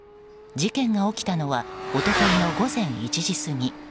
事件が起きたのは一昨日の午前１時過ぎ。